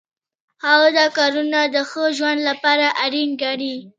هغه دا کارونه د ښه ژوند لپاره اړین ګڼي.